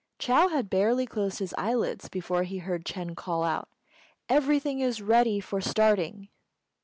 Chou had barely closed his eyelids before he heard Ch'êng call out, "Everything is ready for starting!"